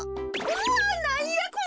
うわっなんやこれ！？